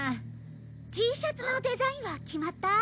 Ｔシャツのデザインは決まった？